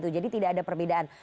jadi tidak ada perbedaan